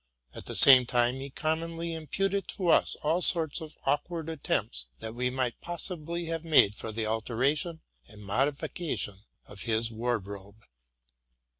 At the same time he commonly imputed to us all sorts of awkward attempts, that we might possibly have made for the alteration and modificat'on of his wardrobe.